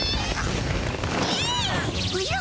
おじゃ？